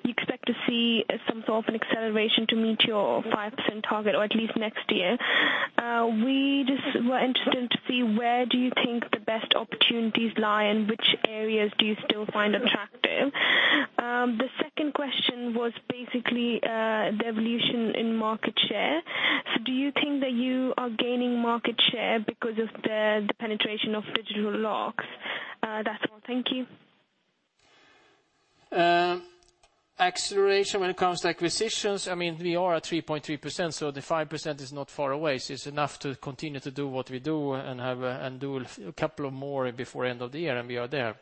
expect to see some sort of an acceleration to meet your 5% target, or at least next year. We just were interested to see where do you think the best opportunities lie, and which areas do you still find attractive? The second question was basically the evolution in market share. Do you think that you are gaining market share because of the penetration of digital locks? That's all. Thank you. Acceleration when it comes to acquisitions, we are at 3.3%. The 5% is not far away. It's enough to continue to do what we do and do a couple of more before end of the year, and we are there.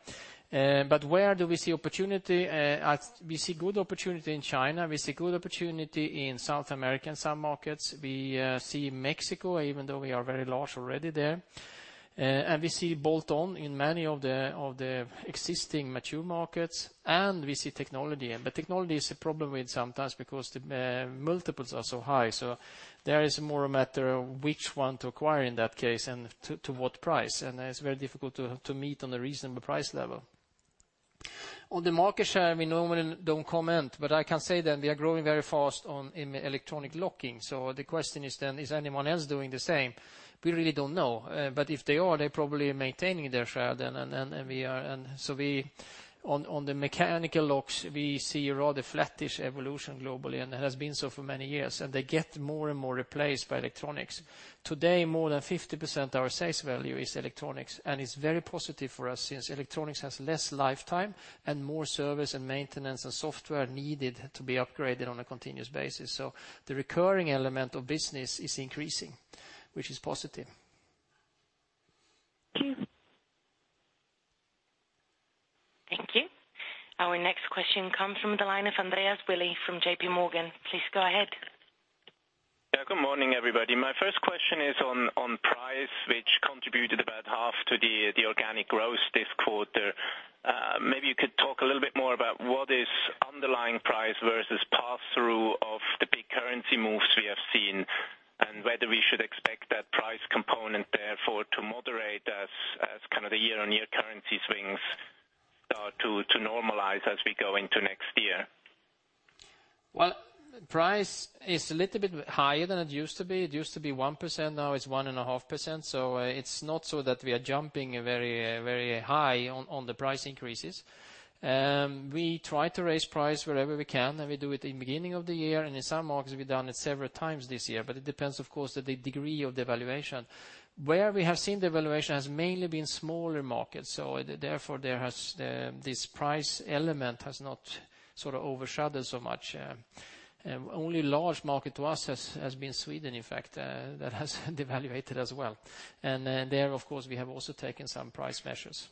Where do we see opportunity? We see good opportunity in China. We see good opportunity in South America in some markets. We see Mexico, even though we are very large already there. We see bolt-on in many of the existing mature markets, and we see technology. Technology is a problem with sometimes because the multiples are so high. There is more a matter of which one to acquire in that case and to what price, and it's very difficult to meet on a reasonable price level. On the market share, we normally don't comment, but I can say that we are growing very fast in electronic locking. The question is then, is anyone else doing the same? We really don't know. If they are, they're probably maintaining their share then. On the mechanical locks, we see a rather flattish evolution globally, and it has been so for many years, and they get more and more replaced by electronics. Today, more than 50% our sales value is electronics, and it's very positive for us since electronics has less lifetime and more service and maintenance and software needed to be upgraded on a continuous basis. The recurring element of business is increasing, which is positive. Thank you. Thank you. Our next question comes from the line of Andreas Willi from JPMorgan. Please go ahead. Good morning, everybody. My first question is on price, which contributed about half to the organic growth this quarter. Maybe you could talk a little bit more about what is underlying price versus pass-through of the big currency moves we have seen, and whether we should expect that price component therefore to moderate as kind of the year-on-year currency swings start to normalize as we go into next year. Well, price is a little bit higher than it used to be. It used to be 1%, now it's 1.5%. It's not so that we are jumping very high on the price increases. We try to raise price wherever we can, and we do it in beginning of the year, and in some markets, we've done it several times this year, but it depends, of course, the degree of devaluation. Where we have seen devaluation has mainly been smaller markets, therefore this price element has not sort of overshadowed so much. Only large market to us has been Sweden, in fact, that has devaluated as well. There, of course, we have also taken some price measures.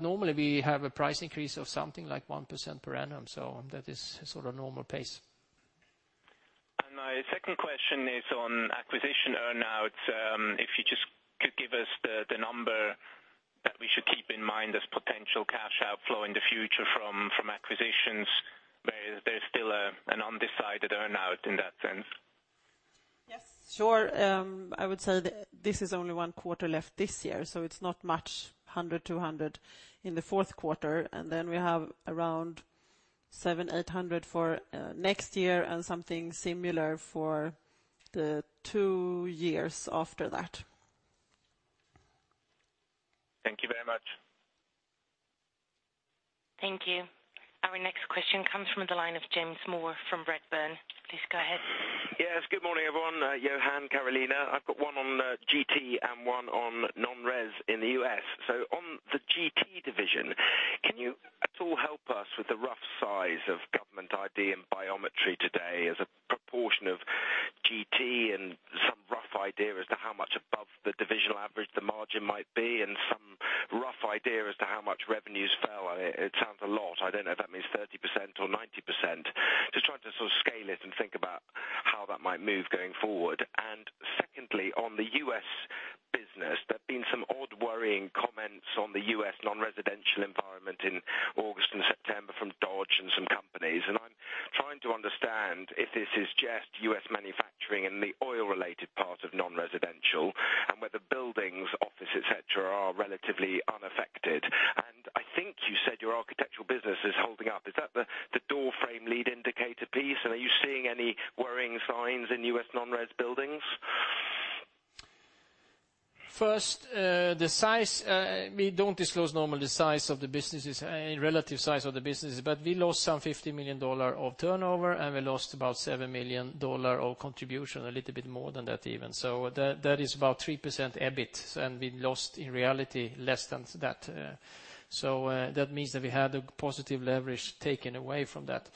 Normally we have a price increase of something like 1% per annum, so that is sort of normal pace. My second question is on acquisition earn-out. If you just could give us the number that we should keep in mind as potential cash outflow in the future from acquisitions, where there's still an undecided earn-out in that sense. Yes, sure. I would say that this is only one quarter left this year, so it's not much, 100, 200 in the fourth quarter. Then we have around 700, 800 for next year and something similar for the two years after that. Thank you very much. Thank you. Our next question comes from the line of James Moore from Redburn. Please go ahead. Yes, good morning, everyone. Johan, Carolina, I've got one on GT and one on non-res in the U.S. On the GT division, can you at all help us with the rough size of government ID and biometrics today as a proportion of GT and some rough idea as to how much above the divisional average the margin might be, and some rough idea as to how much revenues fell? It sounds a lot. I don't know if that means 30% or 90% Think about how that might move going forward. Secondly, on the U.S. business, there have been some odd worrying comments on the U.S. non-residential environment in August and September from Dodge and some companies. I'm trying to understand if this is just U.S. manufacturing in the oil-related part of non-residential, whether buildings, office, et cetera, are relatively unaffected. I think you said your architectural business is holding up. Is that the door frame lead indicator piece, and are you seeing any worrying signs in U.S. non-res buildings? First, we don't disclose normally the relative size of the businesses, but we lost some $50 million of turnover, and we lost about $7 million of contribution. A little bit more than that, even. That is about 3% EBIT, and we lost, in reality, less than that. That means that we had a positive leverage taken away from that.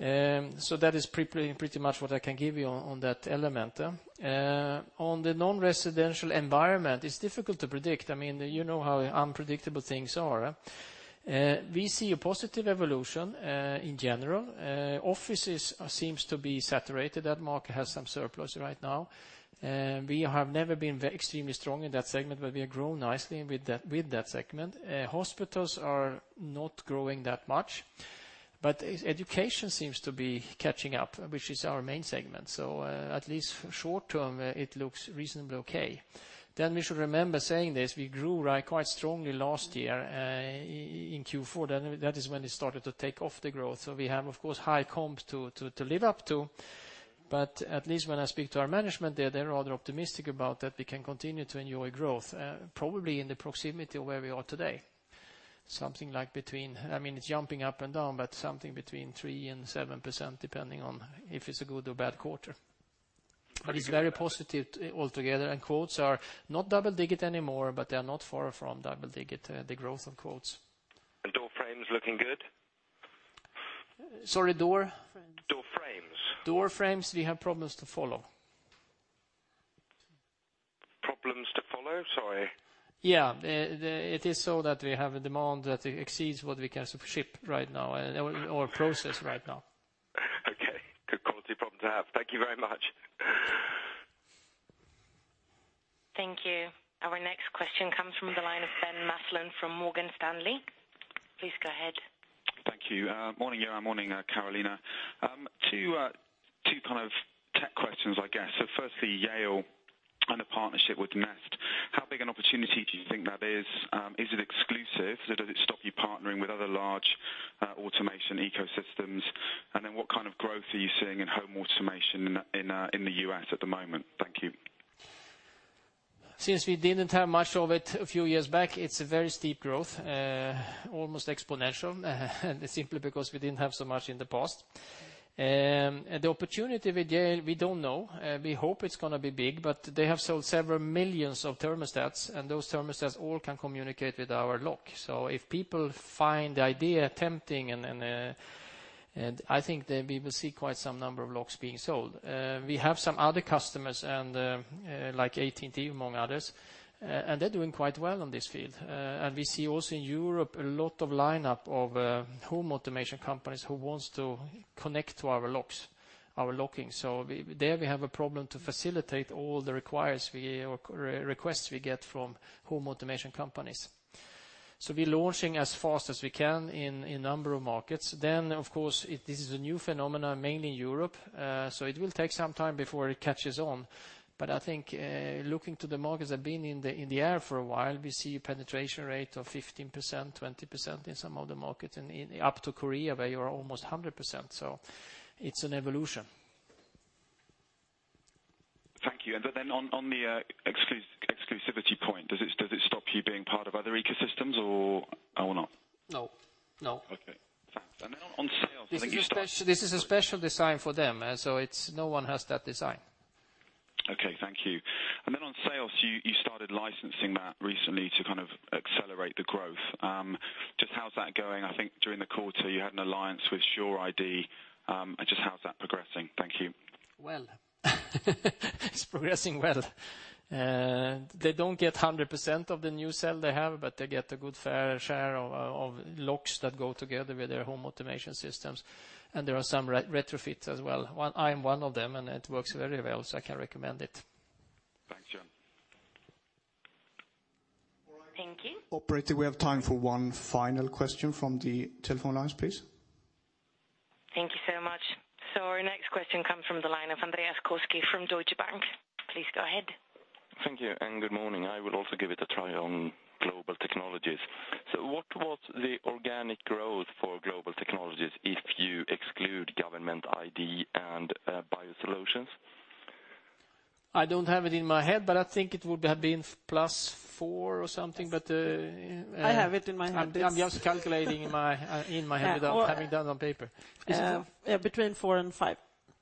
That is pretty much what I can give you on that element. On the non-residential environment, it's difficult to predict. You know how unpredictable things are. We see a positive evolution, in general. Offices seems to be saturated. That market has some surplus right now. We have never been extremely strong in that segment, but we have grown nicely with that segment. Hospitals are not growing that much, but education seems to be catching up, which is our main segment. At least for short term, it looks reasonably okay. We should remember saying this, we grew quite strongly last year, in Q4. That is when it started to take off the growth. We have, of course, high comps to live up to, but at least when I speak to our management there, they're rather optimistic about that we can continue to enjoy growth, probably in the proximity of where we are today. It's jumping up and down, but something between 3% and 7%, depending on if it's a good or bad quarter. It's very positive altogether, and quotes are not double digit anymore, but they are not far from double digit, the growth of quotes. Door frames looking good? Sorry, door? Door frames. Door frames, we have problems to follow. Problems to follow? Sorry. Yeah. It is so that we have a demand that exceeds what we can ship right now or process right now. Okay. Good quality problem to have. Thank you very much. Thank you. Our next question comes from the line of Ben Maslen from Morgan Stanley. Please go ahead. Thank you. Morning, Johan. Morning, Carolina. Two tech questions, I guess. Firstly, Yale and the partnership with Nest. How big an opportunity do you think that is? Is it exclusive? Does it stop you partnering with other large automation ecosystems? What kind of growth are you seeing in home automation in the U.S. at the moment? Thank you. Since we didn't have much of it a few years back, it's a very steep growth, almost exponential. Simply because we didn't have so much in the past. The opportunity with Yale, we don't know. We hope it's going to be big, but they have sold several millions of thermostats, and those thermostats all can communicate with our lock. If people find the idea tempting, I think that we will see quite some number of locks being sold. We have some other customers like AT&T, among others, and they're doing quite well on this field. We see also in Europe, a lot of lineup of home automation companies who wants to connect to our locks, our locking. There we have a problem to facilitate all the requests we get from home automation companies. We're launching as fast as we can in a number of markets. Of course, this is a new phenomenon, mainly in Europe. It will take some time before it catches on. I think, looking to the markets that have been in the air for a while, we see a penetration rate of 15%-20% in some of the markets, and up to Korea where you are almost 100%. It's an evolution. Thank you. Then on the exclusivity point, does it stop you being part of other ecosystems or not? No. Okay. Then on Seos. This is a special design for them. So no one has that design. Okay, thank you. Then on Seos, you started licensing that recently to accelerate the growth. Just how's that going? I think during the quarter you had an alliance with SheerID. Just how's that progressing? Thank you. Well. It's progressing well. They don't get 100% of the new sale they have, but they get a good fair share of locks that go together with their home automation systems, and there are some retrofits as well. I am one of them, and it works very well, so I can recommend it. Thanks, Johan. Thank you. Operator, we have time for one final question from the telephone lines, please. Thank you so much. Our next question comes from the line of Andreas Koski from Deutsche Bank. Please go ahead. Thank you, good morning. I will also give it a try on Global Technologies. What was the organic growth for Global Technologies if you exclude government ID and biosolutions? I don't have it in my head, I think it would have been plus four or something. I have it in my head I'm just calculating in my head without having done on paper. Between four and five,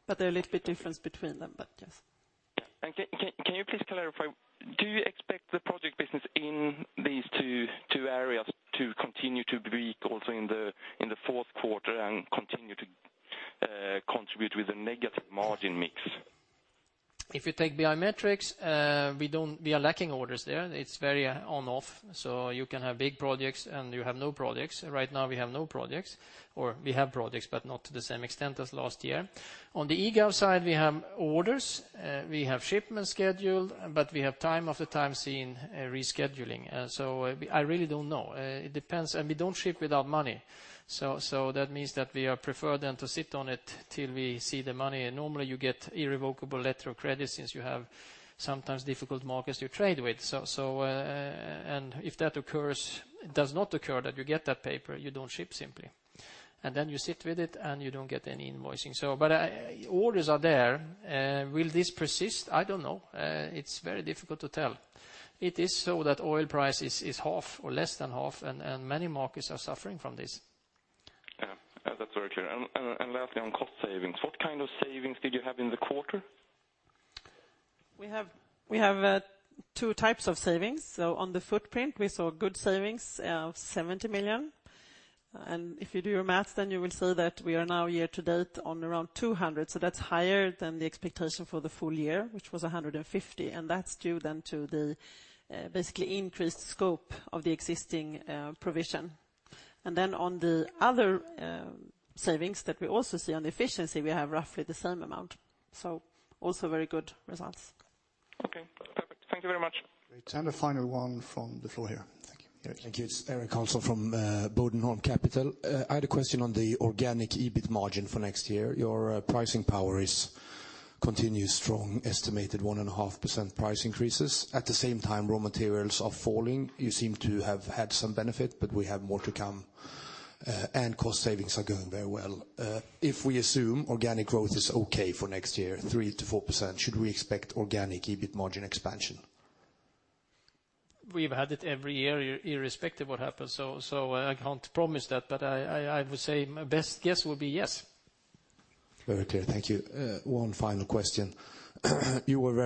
but they're a little bit difference between them, but yes. Can you please clarify, do you expect the project business in these two areas to continue to be weak also in the fourth quarter and continue to contribute with a negative margin mix? If you take biometrics, we are lacking orders there. It's very on/off, you can have big projects and you have no projects. Right now we have no projects, or we have projects, but not to the same extent as last year. On the eGov side, we have orders, we have shipments scheduled, but we have time after time seen rescheduling. I really don't know. It depends, and we don't ship without money. That means that we prefer then to sit on it till we see the money. Normally, you get irrevocable letters of credit since you have sometimes difficult markets you trade with. If that does not occur that you get that paper, you don't ship simply. Then you sit with it and you don't get any invoicing. Orders are there. Will this persist? I don't know. It's very difficult to tell. It is so that oil price is half or less than half, and many markets are suffering from this. Yeah. That's very clear. Lastly, on cost savings, what kind of savings did you have in the quarter? We have 2 types of savings. On the footprint, we saw good savings of 70 million. If you do your math, you will see that we are now year to date on around 200. That's higher than the expectation for the full year, which was 150, and that's due then to the basically increased scope of the existing provision. Then on the other savings that we also see on efficiency, we have roughly the same amount. Also very good results. Okay, perfect. Thank you very much. Great. A final one from the floor here. Thank you. Thank you. It's Erik Karlsson from Bodenholm Capital. I had a question on the organic EBIT margin for next year. Your pricing power is continuous strong, estimated 1.5% price increases. At the same time, raw materials are falling. You seem to have had some benefit, but we have more to come, and cost savings are going very well. If we assume organic growth is okay for next year, 3%-4%, should we expect organic EBIT margin expansion? We've had it every year irrespective what happens, so I can't promise that, but I would say my best guess would be yes. Very clear. Thank you. One final question. You were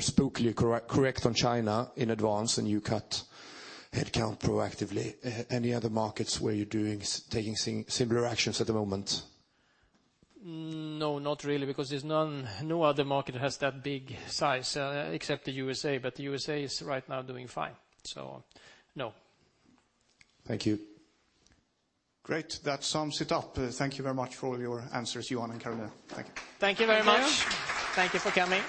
spookily correct on China in advance, and you cut headcount proactively. Any other markets where you're taking similar actions at the moment? No, not really, because no other market has that big size except the U.S.A., but the U.S.A. is right now doing fine. No. Thank you. Great. That sums it up. Thank you very much for all your answers, Johan and Carolina. Thank you. Thank you very much. Thank you for coming.